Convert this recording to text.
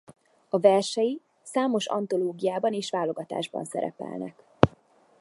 A versei számos antológiában és válogatásban szerepelnek.